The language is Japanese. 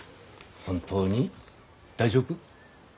本当に大丈夫？